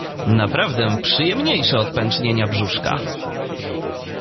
Naprawdę przyjemniejsze od pęcznienia brzuszka.